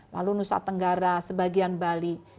lalu nusa tenggara sebagian bali